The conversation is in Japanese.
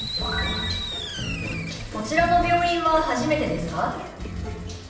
「こちらの病院は初めてですか？」。